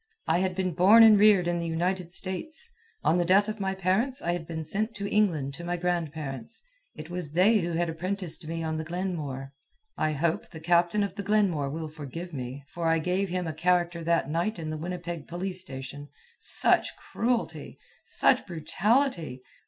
I had been born and reared in the United States. On the death of my parents, I had been sent to England to my grandparents. It was they who had apprenticed me on the Glenmore. I hope the captain of the Glenmore will forgive me, for I gave him a character that night in the Winnipeg police station. Such cruelty! Such brutality!